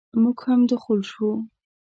موږ هم دخول شوو.